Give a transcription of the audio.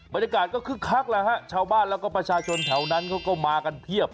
บรรยากาศก็คึกคักแล้วฮะชาวบ้านแล้วก็ประชาชนแถวนั้นเขาก็มากันเพียบ